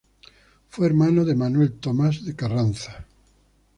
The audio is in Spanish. Fue hermano de Manuel Thomas de Carranza.